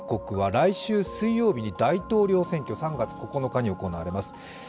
来週水曜日に大統領選挙が３月９日に行われます。